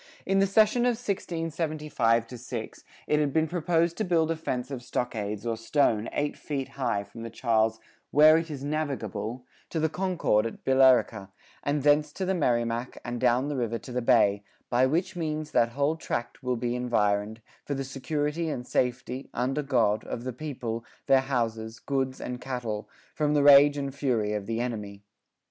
[40:3] In the session of 1675 6 it had been proposed to build a fence of stockades or stone eight feet high from the Charles "where it is navigable" to the Concord at Billerica and thence to the Merrimac and down the river to the Bay, "by which meanes that whole tract will [be] environed, for the security & safty (vnder God) of the people, their houses, goods & cattel; from the rage & fury of the enimy."